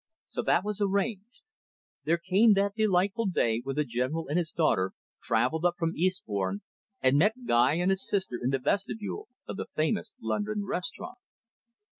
So that was arranged. There came that delightful day when the General and his daughter travelled up from Eastbourne, and met Guy and his sister in the vestibule of the famous London restaurant.